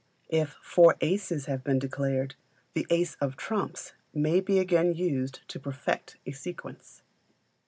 If four aces have been declared, the ace of trumps may he again used to perfect a sequence.